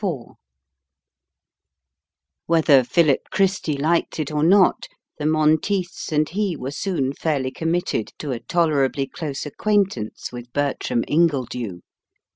IV Whether Philip Christy liked it or not, the Monteiths and he were soon fairly committed to a tolerably close acquaintance with Bertram Ingledew.